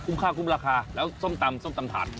ค่าคุ้มราคาแล้วส้มตำส้มตำถาด